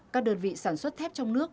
các đơn vị sản xuất thép trong nước